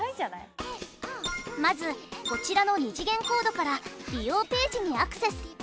まずこちらの２次元コードから利用ページにアクセス。